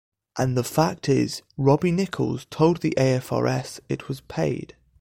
And the fact is Robbie Nichols told the Afrs it was paid.